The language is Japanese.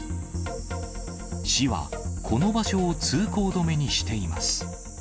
市はこの場所を通行止めにしています。